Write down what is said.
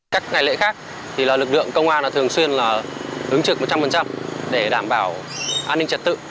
các ngày lễ khác thì lực lượng công an thường xuyên là ứng trực một trăm linh để đảm bảo an ninh trật tự